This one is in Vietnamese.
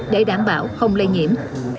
để đảm bảo không lây nhiễm